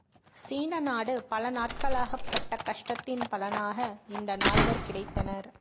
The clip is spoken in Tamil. சீன நாடு பல நாட்களாகப்பட்ட கஷ்டத்தின் பலனாக இந்த நால்வர் கிடைத்தனர்.